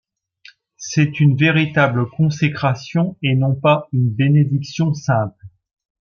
C'est une véritable consécration et non pas une bénédiction simple.